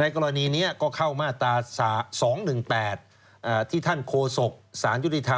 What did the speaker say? ในกรณีเนี้ยก็เข้ามาตราสาสองหนึ่งแปดอ่าที่ท่านโคศกสารยุริธรรม